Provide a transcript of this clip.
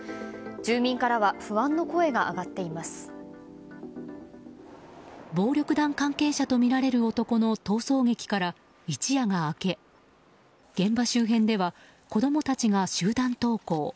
住民からは暴力団関係者とみられる男の逃走劇から一夜が明け現場周辺では子供たちが集団登校。